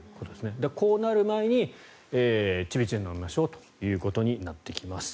だから、こうなる前にちびちび飲みましょうということになってきます。